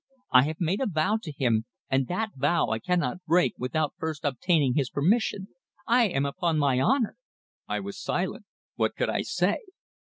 I have made a vow to him, and that vow I cannot break without first obtaining his permission. I am upon my honour." I was silent. What could I say?